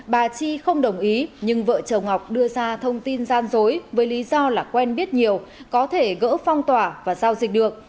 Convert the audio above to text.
bà chi không đồng ý nhưng vợ chồng ngọc đưa ra thông tin gian dối với lý do là quen biết nhiều có thể gỡ phong tỏa và giao dịch được